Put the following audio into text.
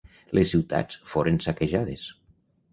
Les ciutats foren saquejades.